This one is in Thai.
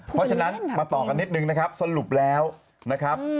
เพราะฉะนั้นมาต่อกันนิดนึงนะครับสรุปแล้วนะครับ